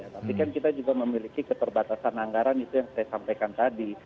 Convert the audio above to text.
tapi kan kita juga memiliki keterbatasan anggaran itu yang saya sampaikan tadi